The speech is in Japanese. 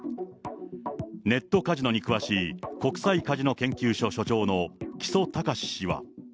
ネットカジノに詳しい国際カジノ研究所所長の木曽崇氏は。